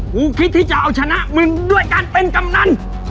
คิดที่จะเอาชนะมึงด้วยการเป็นกำนัน